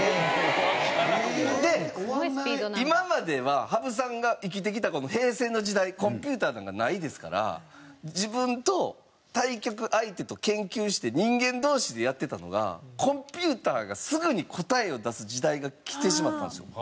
で今までは羽生さんが生きてきたこの平成の時代コンピューターなんかないですから自分と対局相手と研究して人間同士でやってたのがコンピューターがすぐに答えを出す時代が来てしまったんですよ。